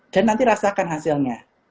dan nanti rasakan hasilnya